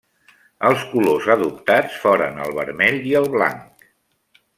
Els colors adoptats foren el vermell i el blanc.